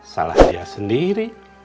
salah dia sendiri